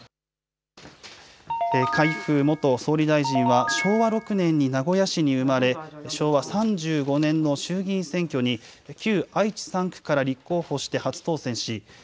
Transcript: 海部元総理大臣は昭和６年に名古屋市に生まれ昭和３５年の衆議院選挙に旧愛知３区から立候補して初当選し